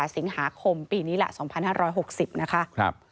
สิงหาคมปีนี้แหละ๒๕๖๐นะคะ